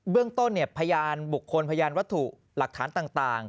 เรื่องต้นพยานบุคคลพยานวัตถุหลักฐานต่าง